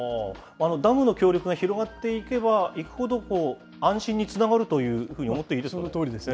ダムの協力が広がっていけばいくほど安心につながるというふそのとおりですね。